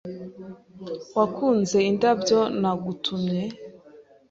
Wakunze indabyo nagutumye?